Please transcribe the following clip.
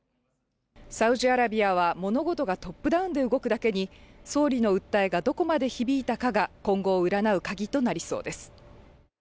サウジアラビアは物事がトップダウンで動くだけに、総理の訴えがどこまで響いたかが、今後を占う鍵となりそうです。